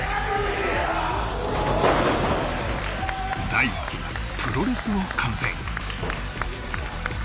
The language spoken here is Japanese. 大好きなプロレスを観戦。